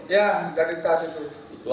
ya dari tas itu